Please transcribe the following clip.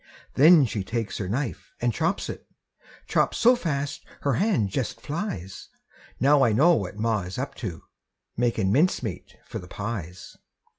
Then she takes her knife an' chops it, Chops so fast her hand jest flies. Now I know what ma is up to Makin' mincemeat for the pies.